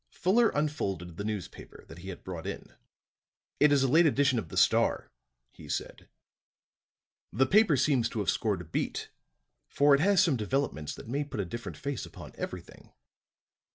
Fuller unfolded the newspaper that he had brought in. "It is a late edition of the Star," he said. "The paper seems to have scored a beat, for it has some developments that may put a different face upon everything."